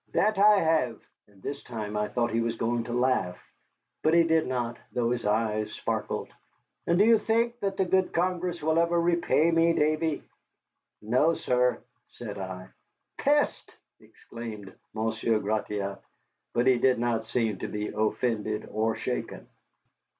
"That I have," and this time I thought he was going to laugh. But he did not, though his eyes sparkled. "And do you think that the good Congress will ever repay me, Davy?" "No, sir," said I. "Peste!" exclaimed Monsieur Gratiot, but he did not seem to be offended or shaken.